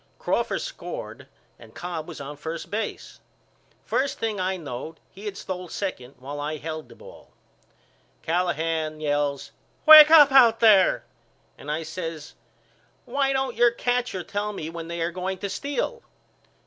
Crawford scored and Cobb was on first base. First thing I knowed he had stole second while I held the ball. Callahan yells Wake up out there and I says Why don't your catcher tell me when they are going to steal.